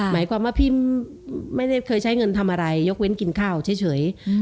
หมายความว่าพี่ไม่ได้เคยใช้เงินทำอะไรยกเว้นกินข้าวเฉย